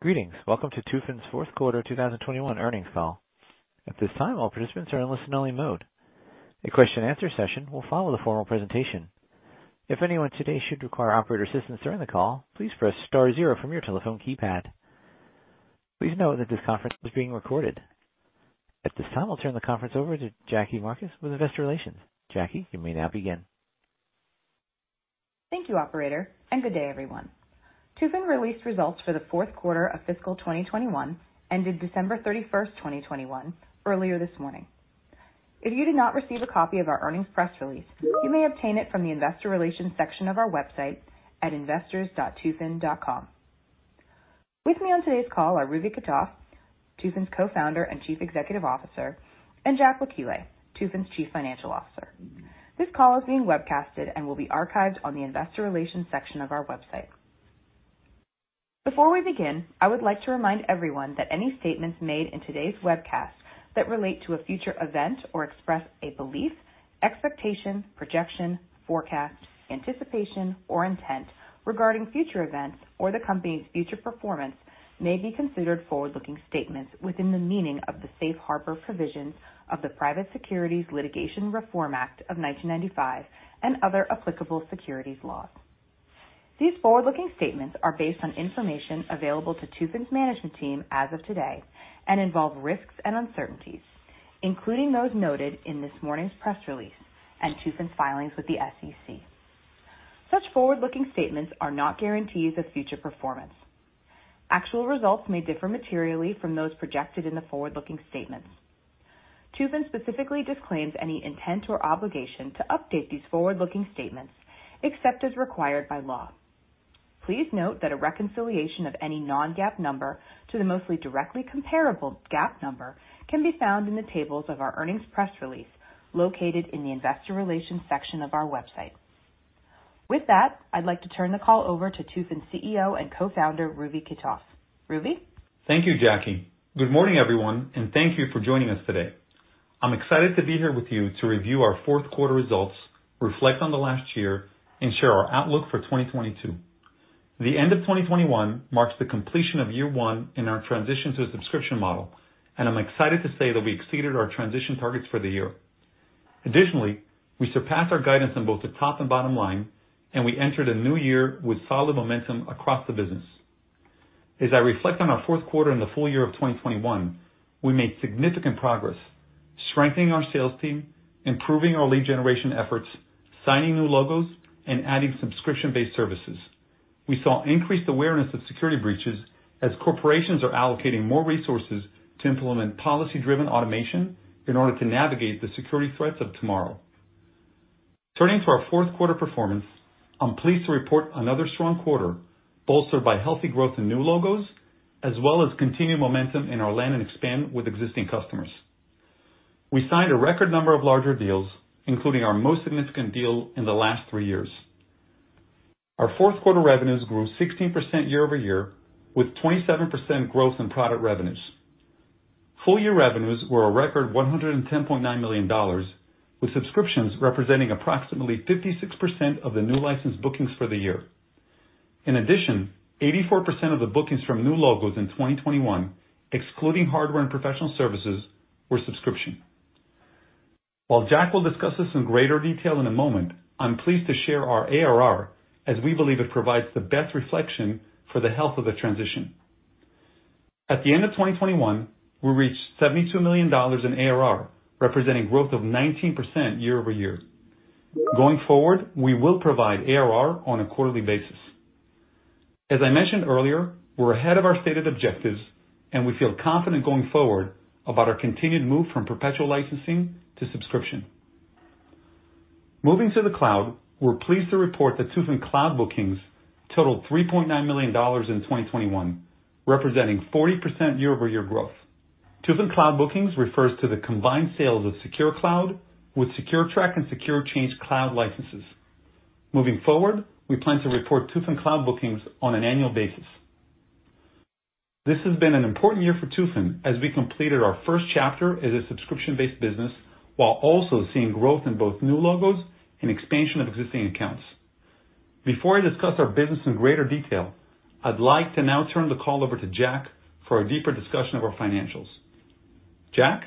Good day everyone. Tufin released results for the fourth quarter of fiscal 2021, ended December 31, 2021 earlier this morning. If you did not receive a copy of our earnings press release, you may obtain it from the investor relations section of our website at investors.tufin.com. With me on today's call are Ruvi Kitov, Tufin's Co-Founder and Chief Executive Officer, and Jack Wakileh, Tufin's Chief Financial Officer. This call is being webcast and will be archived on the investor relations section of our website. Before we begin, I would like to remind everyone that any statements made in today's webcast that relate to a future event or express a belief, expectation, projection, forecast, anticipation, or intent regarding future events or the Company's future performance may be considered forward-looking statements within the meaning of the Safe Harbor provisions of the Private Securities Litigation Reform Act of 1995 and other applicable securities laws. These forward-looking statements are based on information available to Tufin's management team as of today and involve risks and uncertainties, including those noted in this morning's press release and Tufin's filings with the SEC. Such forward-looking statements are not guarantees of future performance. Actual results may differ materially from those projected in the forward-looking statements. Tufin specifically disclaims any intent or obligation to update these forward-looking statements except as required by law. Please note that a reconciliation of any non-GAAP number to the most directly comparable GAAP number can be found in the tables of our earnings press release located in the investor relations section of our website. With that, I'd like to turn the call over to Tufin's CEO and co-founder, Ruvi Kitov. Ruvi. Thank you, Jackie. Good morning, everyone, and thank you for joining us today. I'm excited to be here with you to review our fourth quarter results, reflect on the last year, and share our outlook for 2022. The end of 2021 marks the completion of Year 1 in our transition to a subscription model, and I'm excited to say that we exceeded our transition targets for the year. Additionally, we surpassed our guidance on both the top and bottom line, and we entered a new year with solid momentum across the business. As I reflect on our fourth quarter and the full year of 2021, we made significant progress strengthening our sales team, improving our lead generation efforts, signing new logos, and adding subscription-based services. We saw increased awareness of security breaches as corporations are allocating more resources to implement policy-driven automation in order to navigate the security threats of tomorrow. Turning to our fourth quarter performance, I'm pleased to report another strong quarter bolstered by healthy growth in new logos as well as continued momentum in our land and expand with existing customers. We signed a record number of larger deals, including our most significant deal in the last three years. Our fourth quarter revenues grew 16% year-over-year with 27% growth in product revenues. Full year revenues were a record $110.9 million, with subscriptions representing approximately 56% of the new license bookings for the year. In addition, 84% of the bookings from new logos in 2021, excluding hardware and professional services, were subscription. While Jack will discuss this in greater detail in a moment, I'm pleased to share our ARR as we believe it provides the best reflection for the health of the transition. At the end of 2021, we reached $72 million in ARR, representing growth of 19% year-over-year. Going forward, we will provide ARR on a quarterly basis. As I mentioned earlier, we're ahead of our stated objectives, and we feel confident going forward about our continued move from perpetual licensing to subscription. Moving to the cloud, we're pleased to report that Tufin Cloud bookings totaled $3.9 million in 2021, representing 40% year-over-year growth. Tufin Cloud bookings refers to the combined sales of SecureCloud with SecureTrack and SecureChange cloud licenses. Moving forward, we plan to report Tufin Cloud bookings on an annual basis. This has been an important year for Tufin as we completed our first chapter as a subscription-based business, while also seeing growth in both new logos and expansion of existing accounts. Before I discuss our business in greater detail, I'd like to now turn the call over to Jack for a deeper discussion of our financials. Jack.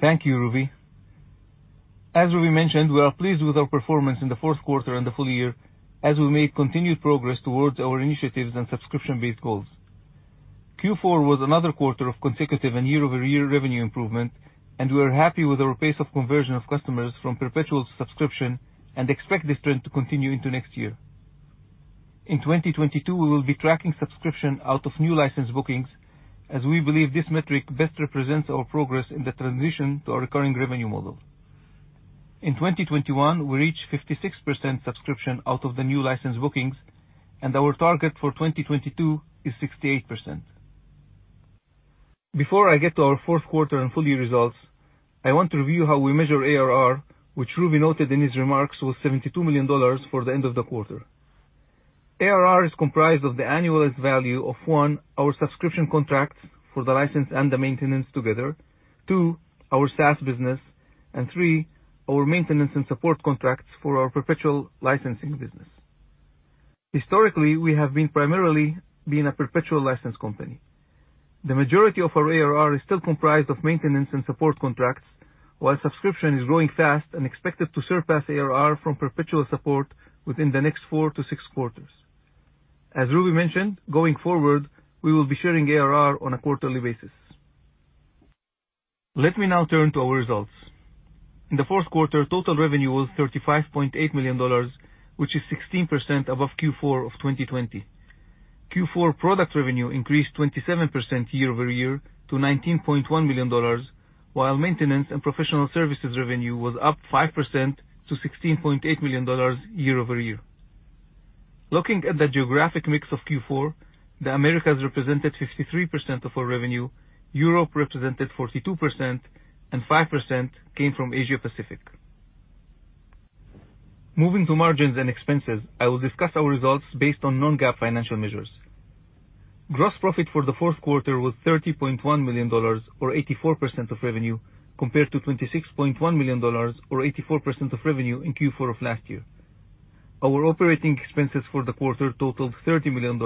Thank you, Ruvi. As Ruvi mentioned, we are pleased with our performance in the fourth quarter and the full year as we made continued progress towards our initiatives and subscription-based goals. Q4 was another quarter of consecutive and year-over-year revenue improvement, and we are happy with our pace of conversion of customers from perpetual licenses to subscription and expect this trend to continue into next year. In 2022, we will be tracking subscription as a percentage of new license bookings as we believe this metric best represents our progress in the transition to our recurring revenue model. In 2021, we reached 56% subscription out of the new license bookings, and our target for 2022 is 68%. Before I get to our fourth quarter and full year results, I want to review how we measure ARR, which Ruvi noted in his remarks was $72 million for the end of the quarter. ARR is comprised of the annualized value of, one, our subscription contracts for the license and the maintenance together. Two, our SaaS business. Three, our maintenance and support contracts for our perpetual licensing business. Historically, we have been primarily a perpetual license company. The majority of our ARR is still comprised of maintenance and support contracts, while subscription is growing fast and expected to surpass ARR from perpetual support within the next 4-6 quarters. As Ruby mentioned, going forward, we will be sharing ARR on a quarterly basis. Let me now turn to our results. In the fourth quarter, total revenue was $35.8 million, which is 16% above Q4 of 2020. Q4 product revenue increased 27% year-over-year to $19.1 million, while maintenance and professional services revenue was up 5% to $16.8 million year-over-year. Looking at the geographic mix of Q4, the Americas represented 53% of our revenue, Europe represented 42%, and 5% came from Asia Pacific. Moving to margins and expenses, I will discuss our results based on non-GAAP financial measures. Gross profit for the fourth quarter was $30.1 million or 84% of revenue, compared to $26.1 million or 84% of revenue in Q4 of last year. Our operating expenses for the quarter totaled $30 million,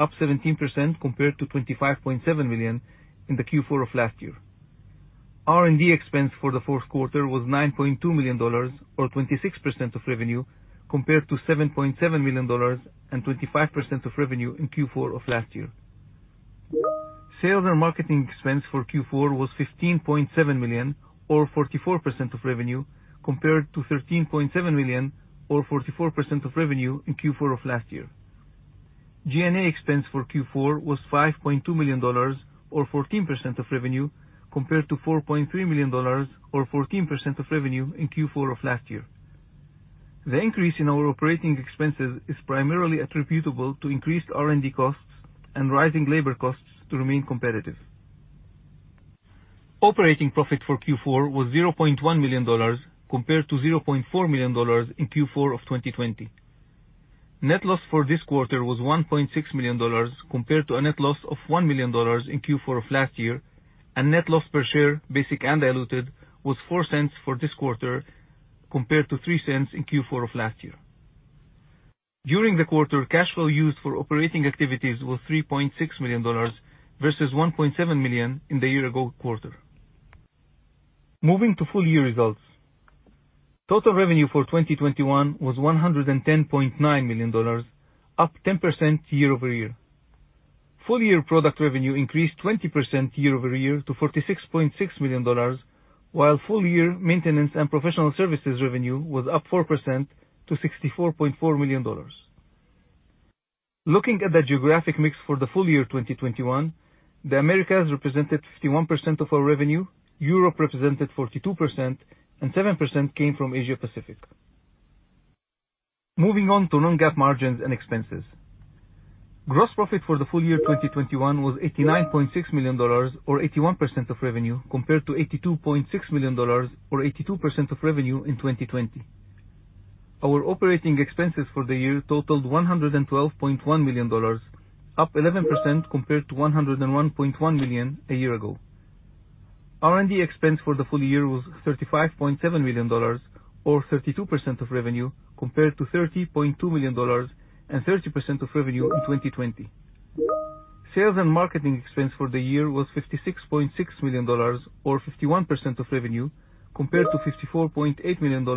up 17% compared to $25.7 million in the Q4 of last year. R&D expense for the fourth quarter was $9.2 million or 26% of revenue, compared to $7.7 million and 25% of revenue in Q4 of last year. Sales and marketing expense for Q4 was $15.7 million or 44% of revenue, compared to $13.7 million or 44% of revenue in Q4 of last year. G&A expense for Q4 was $5.2 million or 14% of revenue, compared to $4.3 million or 14% of revenue in Q4 of last year. The increase in our operating expenses is primarily attributable to increased R&D costs and rising labor costs to remain competitive. Operating profit for Q4 was $0.1 million compared to $0.4 million in Q4 of 2020. Net loss for this quarter was $1.6 million compared to a net loss of $1 million in Q4 of last year, and net loss per share, basic and diluted, was $0.04 for this quarter compared to $0.03 in Q4 of last year. During the quarter, cash flow used for operating activities was $3.6 million versus $1.7 million in the year-ago quarter. Moving to full-year results. Total revenue for 2021 was $110.9 million, up 10% year-over-year. Full year product revenue increased 20% year-over-year to $46.6 million, while full year maintenance and professional services revenue was up 4% to $64.4 million. Looking at the geographic mix for the full year 2021, the Americas represented 51% of our revenue, Europe represented 42%, and 7% came from Asia Pacific. Moving on to non-GAAP margins and expenses. Gross profit for the full year 2021 was $89.6 million or 81% of revenue compared to $82.6 million or 82% of revenue in 2020. Our operating expenses for the year totaled $112.1 million, up 11% compared to $101.1 million a year ago. R&D expense for the full year was $35.7 million or 32% of revenue compared to $30.2 million and 30% of revenue in 2020. Sales and marketing expense for the year was $56.6 million or 51% of revenue compared to $54.8 million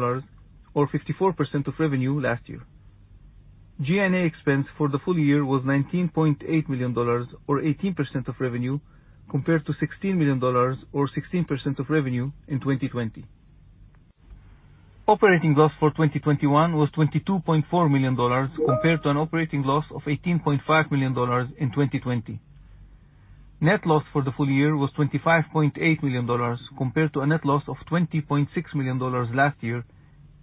or 54% of revenue last year. G&A expense for the full year was $19.8 million or 18% of revenue compared to $16 million or 16% of revenue in 2020. Operating loss for 2021 was $22.4 million compared to an operating loss of $18.5 million in 2020. Net loss for the full year was $25.8 million compared to a net loss of $20.6 million last year,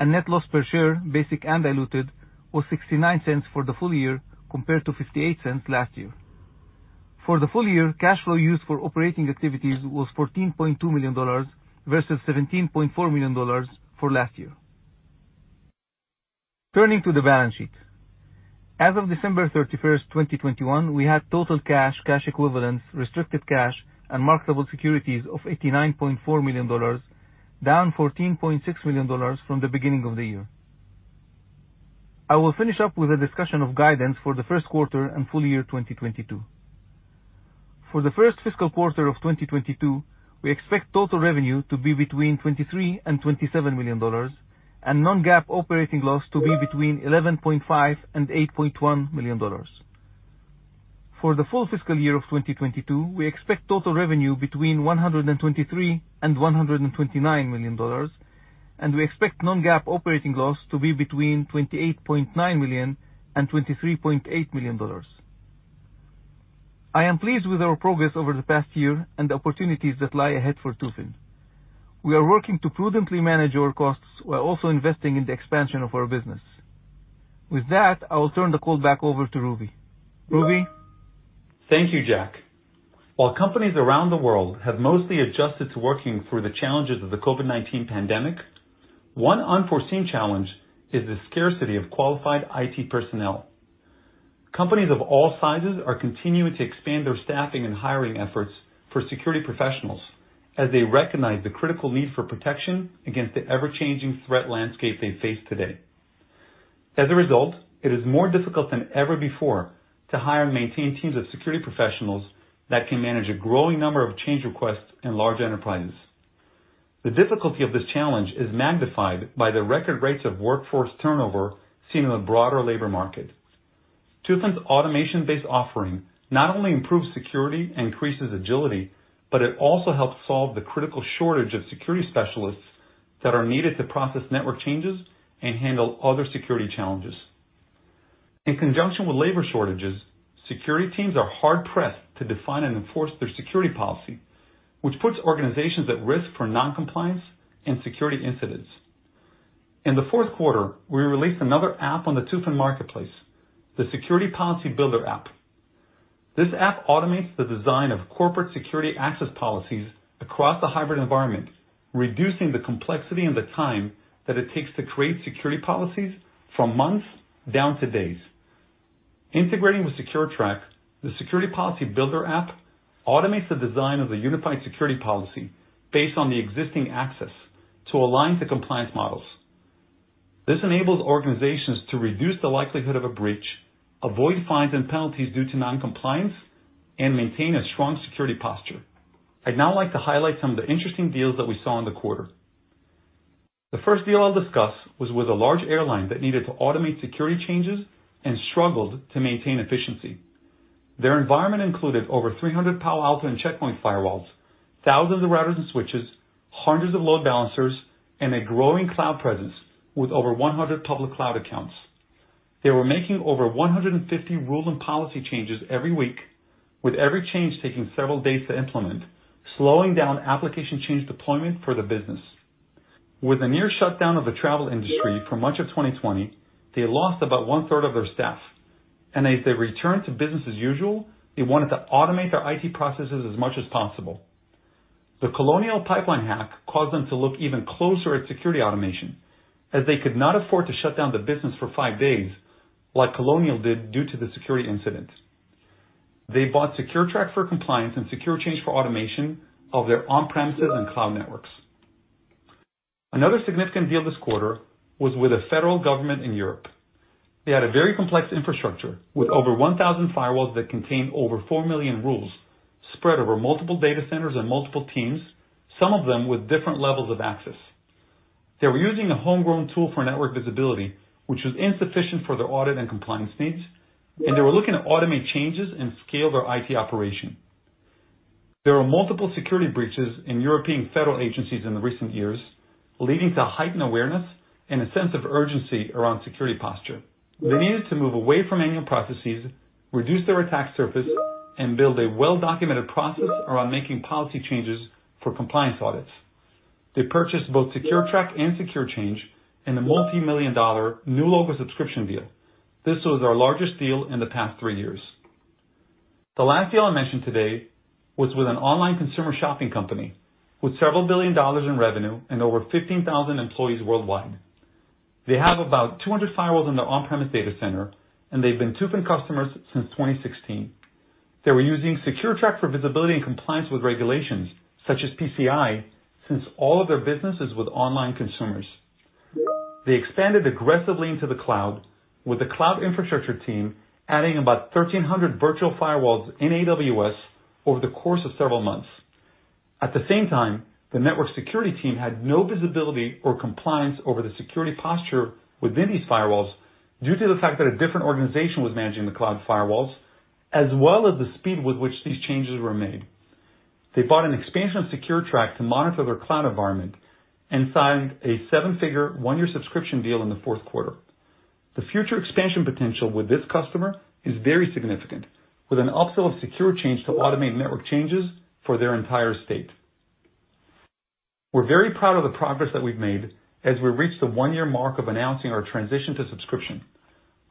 and net loss per share, basic and diluted, was $0.69 for the full year compared to $0.58 last year. For the full year, cash flow used for operating activities was $14.2 million versus $17.4 million for last year. Turning to the balance sheet. As of December 31, 2021, we had total cash equivalents, restricted cash and marketable securities of $89.4 million, down $14.6 million from the beginning of the year. I will finish up with a discussion of guidance for the first quarter and full year 2022. For the first fiscal quarter of 2022, we expect total revenue to be between $23 million and $27 million and non-GAAP operating loss to be between $11.5 million and $8.1 million. For the full fiscal year of 2022, we expect total revenue between $123 million and $129 million, and we expect non-GAAP operating loss to be between $28.9 million and $23.8 million. I am pleased with our progress over the past year and the opportunities that lie ahead for Tufin. We are working to prudently manage our costs while also investing in the expansion of our business. With that, I will turn the call back over to Ruvi. Ruvi? Thank you, Jack. While companies around the world have mostly adjusted to working through the challenges of the COVID-19 pandemic, one unforeseen challenge is the scarcity of qualified IT personnel. Companies of all sizes are continuing to expand their staffing and hiring efforts for security professionals as they recognize the critical need for protection against the ever-changing threat landscape they face today. As a result, it is more difficult than ever before to hire and maintain teams of security professionals that can manage a growing number of change requests in large enterprises. The difficulty of this challenge is magnified by the record rates of workforce turnover seen in the broader labor market. Tufin's automation-based offering not only improves security and increases agility, but it also helps solve the critical shortage of security specialists that are needed to process network changes and handle other security challenges. In conjunction with labor shortages, security teams are hard pressed to define and enforce their security policy, which puts organizations at risk for non-compliance and security incidents. In the fourth quarter, we released another app on the Tufin Marketplace, the Security Policy Builder app. This app automates the design of corporate security access policies across the hybrid environment, reducing the complexity and the time that it takes to create security policies from months down to days. Integrating with SecureTrack, the Security Policy Builder app automates the design of the unified security policy based on the existing access to align to compliance models. This enables organizations to reduce the likelihood of a breach, avoid fines and penalties due to non-compliance, and maintain a strong security posture. I'd now like to highlight some of the interesting deals that we saw in the quarter. The first deal I'll discuss was with a large airline that needed to automate security changes and struggled to maintain efficiency. Their environment included over 300 Palo Alto and Check Point firewalls, thousands of routers and switches, hundreds of load balancers, and a growing cloud presence with over 100 public cloud accounts. They were making over 150 rules and policy changes every week, with every change taking several days to implement, slowing down application change deployment for the business. With the near shutdown of the travel industry for much of 2020, they lost about one-third of their staff. As they return to business as usual, they wanted to automate their IT processes as much as possible. The Colonial Pipeline hack caused them to look even closer at security automation, as they could not afford to shut down the business for 5 days like Colonial did due to the security incident. They bought SecureTrack for compliance and SecureChange for automation of their on-premises and cloud networks. Another significant deal this quarter was with a federal government in Europe. They had a very complex infrastructure with over 1,000 firewalls that contained over 4 million rules spread over multiple data centers and multiple teams, some of them with different levels of access. They were using a homegrown tool for network visibility, which was insufficient for their audit and compliance needs, and they were looking to automate changes and scale their IT operation. There were multiple security breaches in European federal agencies in the recent years, leading to heightened awareness and a sense of urgency around security posture. They needed to move away from manual processes, reduce their attack surface, and build a well-documented process around making policy changes for compliance audits. They purchased both SecureTrack and SecureChange in a $ multi-million new logo subscription deal. This was our largest deal in the past three years. The last deal I'll mention today was with an online consumer shopping company, with $ several billion in revenue and over 15,000 employees worldwide. They have about 200 firewalls in their on-premise data center, and they've been Tufin customers since 2016. They were using SecureTrack for visibility and compliance with regulations such as PCI, since all of their business is with online consumers. They expanded aggressively into the cloud, with the cloud infrastructure team adding about 1,300 virtual firewalls in AWS over the course of several months. At the same time, the network security team had no visibility or compliance over the security posture within these firewalls due to the fact that a different organization was managing the cloud firewalls, as well as the speed with which these changes were made. They bought an expansion of SecureTrack to monitor their cloud environment and signed a seven-figure one-year subscription deal in the fourth quarter. The future expansion potential with this customer is very significant, with an upsell of SecureChange to automate network changes for their entire state. We're very proud of the progress that we've made as we reach the one-year mark of announcing our transition to subscription.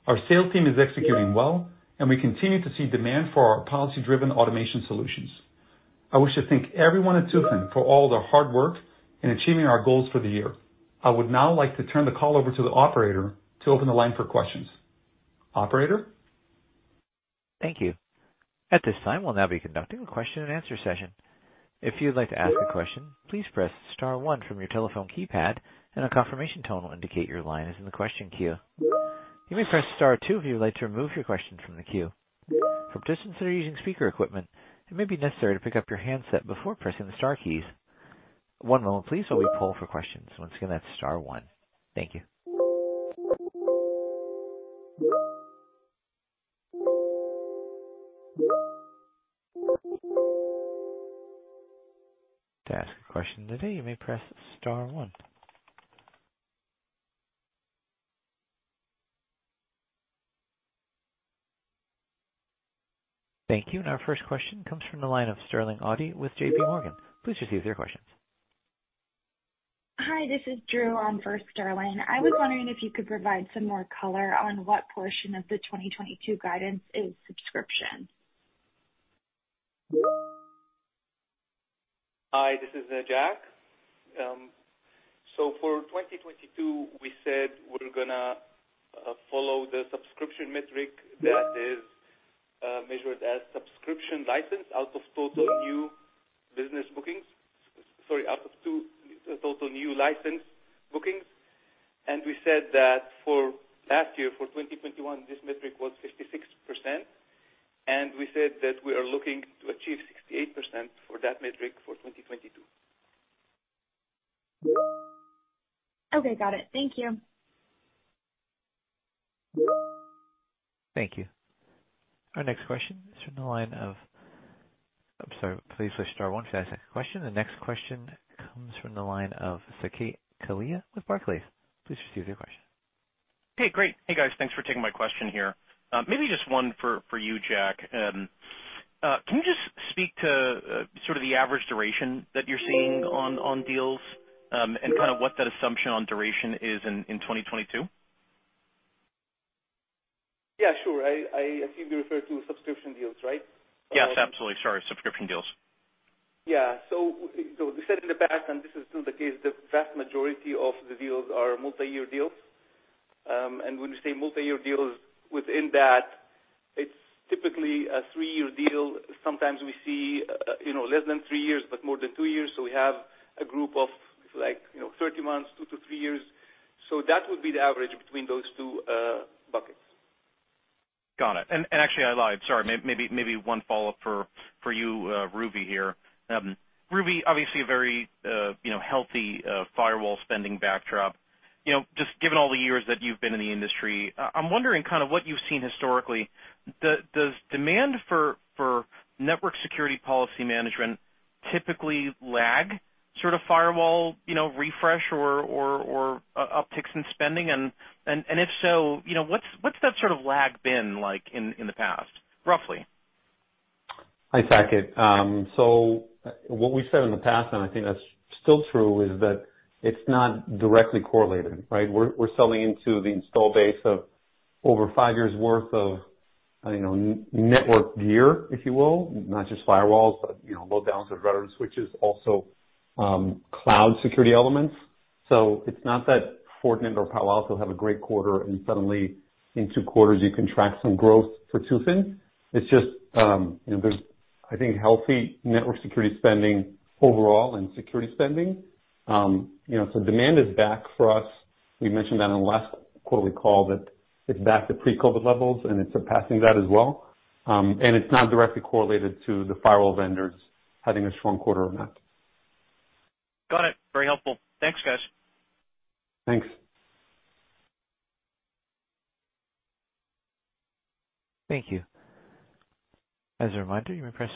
Our sales team is executing well, and we continue to see demand for our policy-driven automation solutions. I wish to thank everyone at Tufin for all their hard work in achieving our goals for the year. I would now like to turn the call over to the operator to open the line for questions. Operator? Hi, this is Drew on for Sterling. I was wondering if you could provide some more color on what portion of the 2022 guidance is subscription? This is Jack. For 2022, we said we're going to follow the subscription metric that is measured as subscription license out of total new business bookings. Sorry, out of total new license bookings. We said that for last year, for 2021, this metric was 56%, and we said that we are looking to achieve 68% for that metric for 2022. Okay, got it. Thank you. Okay, great. Hey, guys. Thanks for taking my question here. Maybe just one for you, Jack. Can you just speak to sort of the average duration that you're seeing on deals, and kind of what that assumption on duration is in 2022? Yeah, sure. I assume you refer to subscription deals, right? Yes, absolutely. Sorry, subscription deals. Yeah. We said in the past, and this is still the case, the vast majority of the deals are multi-year deals. When we say multi-year deals, within that, it's typically a three-year deal. Sometimes we see, less than 3 years, but more than 2 years. We have a group of like, 30 months, two-three years. That would be the average between those two buckets. Got it. Sorry. Maybe one follow-up for you, Ruvi here. Ruvi, obviously a very healthy firewall spending backdrop. Just given all the years that you've been in the industry, I'm wondering kind of what you've seen historically. Does demand for network security policy management typically lag sort of firewall refresh or upticks in spending? If so, what's that sort of lag been like in the past, roughly? Hi, Saket. What we said in the past, and I think that's still true, is that it's not directly correlated, right? We're selling into the install base of over five years worth of, network gear, if you will. Not just firewalls, but, load balancers, routers, switches, also, cloud security elements. It's not that Fortinet or Palo Alto have a great quarter and suddenly in two quarters you can track some growth for Tufin. It's just, there's, I think, healthy network security spending overall and security spending. Demand is back for us. We mentioned that on the last quarterly call, that it's back to pre-COVID levels, and it's surpassing that as well. It's not directly correlated to the firewall vendors having a strong quarter or not. Got it. Very helpful. Thanks, guys. Thanks. Hey, guys. Thanks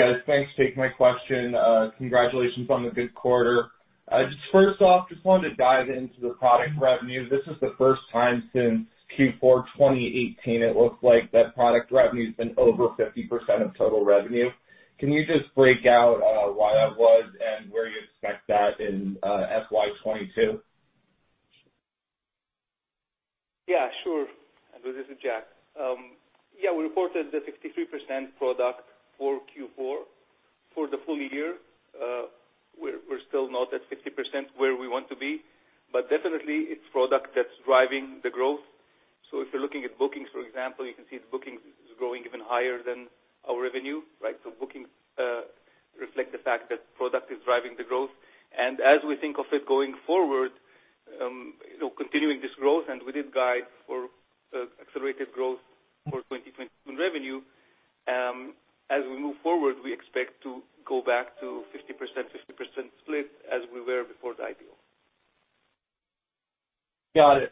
for taking my question. Congratulations on the good quarter. Just first off, just wanted to dive into the product revenue. This is the first time since Q4 2018 it looks like that product revenue's been over 50% of total revenue. Can you just break out why that was and where you expect that in FY 2022? Yeah, sure. Andrew, this is Jack. Yeah, we reported 63% product for Q4. For the full year, we're still not at 50% where we want to be, but definitely it's product that's driving the growth. If you're looking at bookings, for example, you can see bookings is growing even higher than our revenue, right? Bookings reflect the fact that product is driving the growth. As we think of it going forward, continuing this growth, and we did guide for accelerated growth for 2021 revenue, as we move forward, we expect to go back to 50%, 50% split as we were before the IPO. Got it.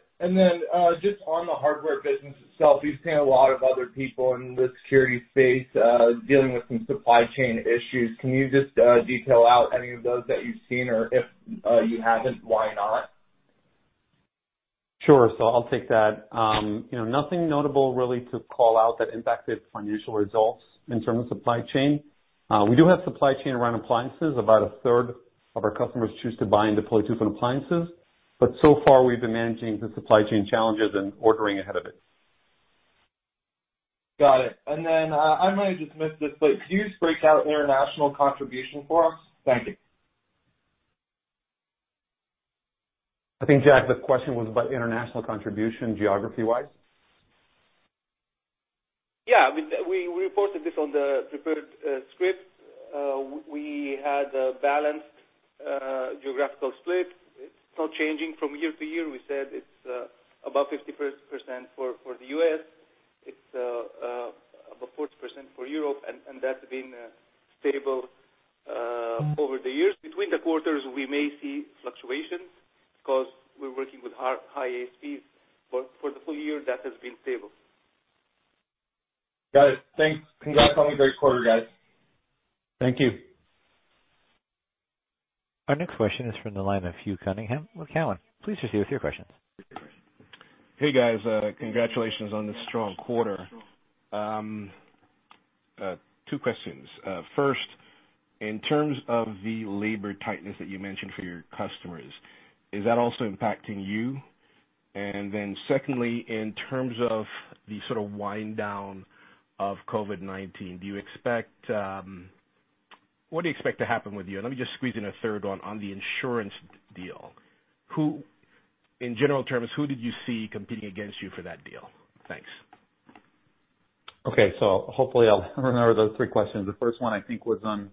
Just on the hardware business itself, we've seen a lot of other people in the security space, dealing with some supply chain issues. Can you just detail out any of those that you've seen or if you haven't, why not? Sure. I'll take that. Nothing notable to call out that impacted financial results in terms of supply chain. We do have supply chain around appliances. About a third of our customers choose to buy and deploy Tufin appliances, but so far we've been managing the supply chain challenges and ordering ahead of it. Got it. I might have just missed this, but could you just break out international contribution for us? Thank you. I think, Jack, the question was about international contribution geography-wise. Yeah. I mean, we reported this on the prepared script. We had a balanced geographical split. It's not changing from year to year. We said it's about 50% for the U.S. It's about 40% for Europe, and that's been stable over the years. Between the quarters, we may see fluctuations because we're working with high ASPs, but for the full year, that has been stable. Got it. Thanks.Congratulations on the strong quarter. Thank you. Hey, guys. Congratulations on the strong quarter. Two questions. First, in terms of the labor tightness that you mentioned for your customers, is that also impacting you? Secondly, in terms of the sort of wind down of COVID-19, what do you expect to happen with you? Let me just squeeze in a third one on the insurance deal. In general terms, who did you see competing against you for that deal? Thanks. Okay. Hopefully I'll remember those three questions. The first one, I think, was on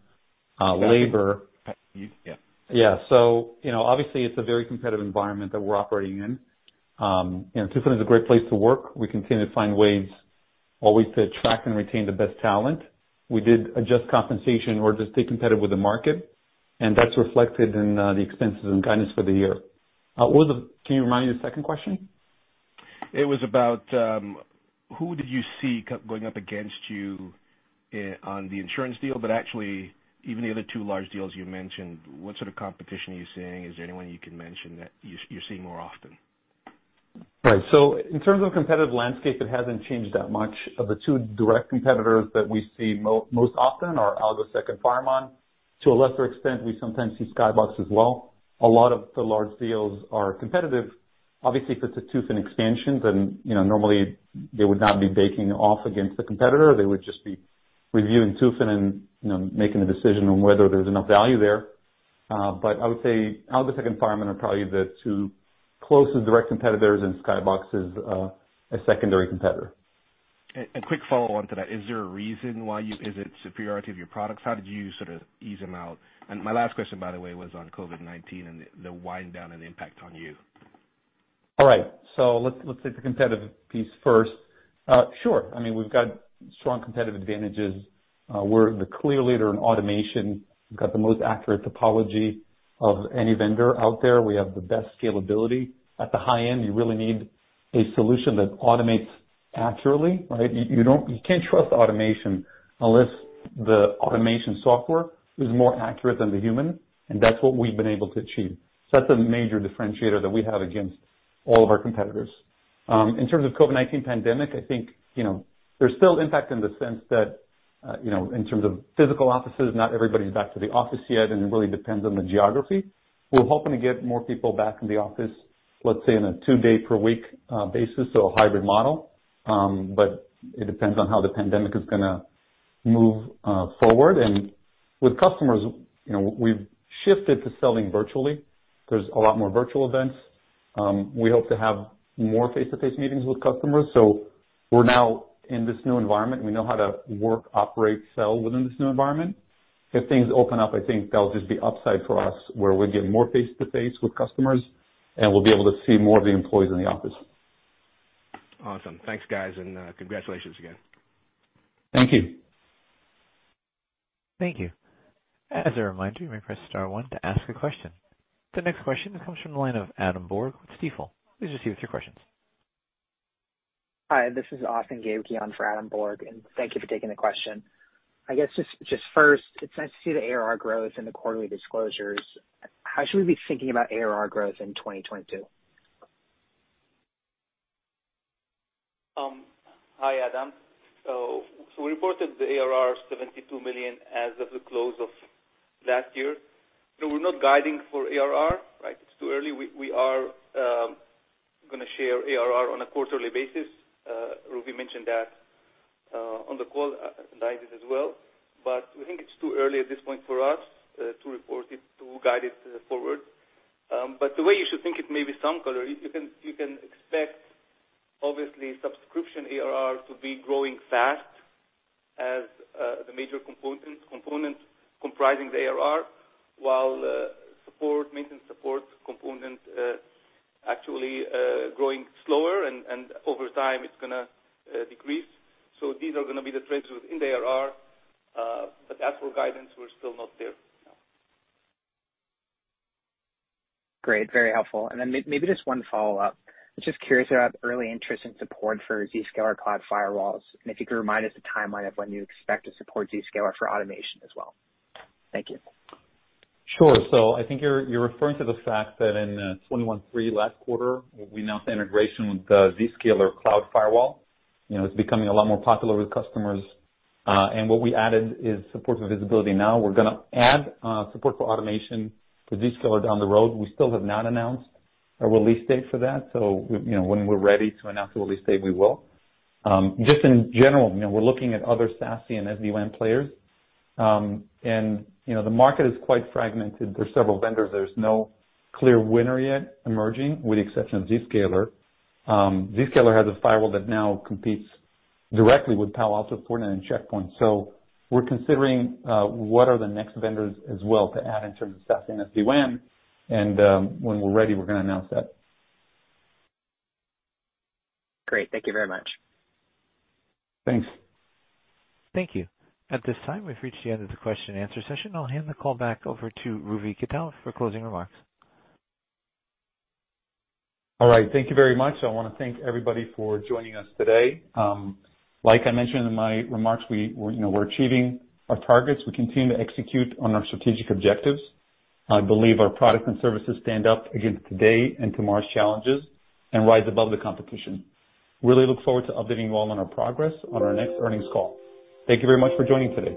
labor. Yeah. Yeah, obviously it's a very competitive environment that we're operating in. Tufin is a great place to work. We continue to find ways always to attract and retain the best talent. We did adjust compensation in order to stay competitive with the market, and that's reflected in the expenses and guidance for the year. Can you remind me the second question? It was about who did you see going up against you in the insurance deal, but actually even the other two large deals you mentioned, what sort of competition are you seeing? Is there anyone you can mention that you're seeing more often? Right. In terms of competitive landscape, it hasn't changed that much. Of the two direct competitors that we see most often are AlgoSec and FireMon. To a lesser extent, we sometimes see Skybox as well. A lot of the large deals are competitive. Obviously, if it's a Tufin expansion, then normally they would not be competing against a competitor. They would just be reviewing Tufin and, making a decision on whether there's enough value there. But I would say AlgoSec and FireMon are probably the two closest direct competitors and Skybox is a secondary competitor. Quick follow on to that, is there a reason why you? Is it superiority of your products? How did you sort of ease them out? My last question, by the way, was on COVID-19 and the wind down and the impact on you. All right. Let's take the competitive piece first. Sure. I mean, we've got strong competitive advantages. We're the clear leader in automation. We've got the most accurate topology of any vendor out there. We have the best scalability. At the high end, you really need a solution that automates accurately, right? You can't trust automation unless the automation software is more accurate than the human, and that's what we've been able to achieve. That's a major differentiator that we have against all of our competitors. In terms of COVID-19 pandemic, I think, there's still impact in the sense that, in terms of physical offices, not everybody's back to the office yet, and it really depends on the geography. We're hoping to get more people back in the office, let's say in a two-day-per-week basis, so a hybrid model. It depends on how the pandemic is gonna move forward. With customers, we've shifted to selling virtually. There's a lot more virtual events. We hope to have more face-to-face meetings with customers. We're now in this new environment. We know how to work, operate, sell within this new environment. If things open up, I think that'll just be upside for us, where we get more face-to-face with customers, and we'll be able to see more of the employees in the office. Awesome. Thanks, guys. Congratulations again. Thank you. Hi, this is Austin Gabrion for Adam Borg, and thank you for taking the question. I guess just first, it's nice to see the ARR growth in the quarterly disclosures. How should we be thinking about ARR growth in 2022? Hi, Adam. We reported the ARR $72 million as of the close of last year. We're not guiding for ARR, right? It's too early. We are gonna share ARR on a quarterly basis. Ruvi mentioned that on the call, guidance as well. We think it's too early at this point for us to report it, to guide it forward. The way you should think it, maybe some color. You can expect obviously subscription ARR to be growing fast as the major component comprising the ARR, while maintenance support component actually growing slower and over time it's gonna decrease. These are gonna be the trends within the ARR. As for guidance, we're still not there. Great. Very helpful. Maybe just one follow-up. Just curious about early interest and support for Zscaler cloud firewalls, and if you could remind us the timeline of when you expect to support Zscaler for automation as well. Thank you. Sure. I think you're referring to the fact that in 2023 last quarter, we announced the integration with the Zscaler cloud firewall. It's becoming a lot more popular with customers. What we added is support for visibility. Now we're going add support for automation for Zscaler down the road. We still have not announced a release date for that. When we're ready to announce a release date, we will. Just in general, we're looking at other SASE and SD-WAN players. The market is quite fragmented. There's several vendors. There's no clear winner yet emerging with the exception of Zscaler. Zscaler has a firewall that now competes directly with Palo Alto, Fortinet, and Check Point. We're considering what are the next vendors as well to add in terms of SASE and SD-WAN. When we're ready, we're going announce that. Great. Thank you very much. Thanks. All right. Thank you very much. I wanna thank everybody for joining us today. As I mentioned in my remarks, we're achieving our targets. We continue to execute on our strategic objectives. I believe our products and services stand up against today and tomorrow's challenges and rise above the competition. Really look forward to updating you all on our progress on our next earnings call. Thank you very much for joining today.